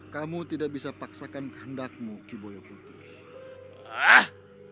kamu tidak bisa paksakan kehendakmu kiboyo putih